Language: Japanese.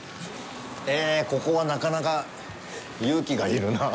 え、ここは、なかなか勇気がいるな。